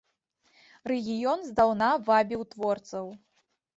Рэгіён здаўна вабіў творцаў.